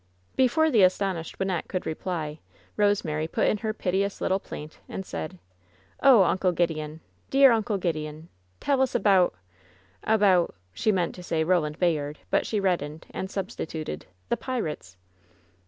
Before the astonished Wynnette could reply, Rose mary put in her piteous little plaint, and said: "Oh, Uncle Gideon! dear Uncle Gideon! Tell us about — about " She meant to say "Roland Bay ard,'' but she reddened, and substituted: "The pirates!"